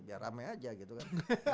biar rame aja gitu kan